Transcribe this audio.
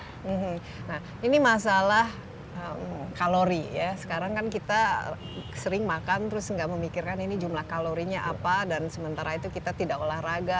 nah ini masalah kalori ya sekarang kan kita sering makan terus nggak memikirkan ini jumlah kalorinya apa dan sementara itu kita tidak olahraga